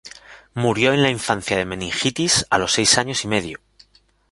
Murió en la infancia de meningitis, a los seis años y medio.